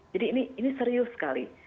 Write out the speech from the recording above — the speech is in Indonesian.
jadi ini serius sekali